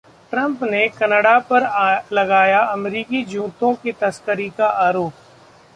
Trump ने Canada पर लगाया अमेरिकी जूतों की तस्करी का आरोप